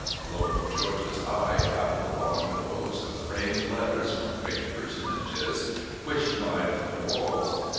Lord George's eye travelled along the rows of framed letters from great personages, which lined the walls.